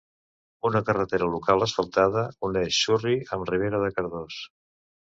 Una carretera local asfaltada uneix Surri amb Ribera de Cardós.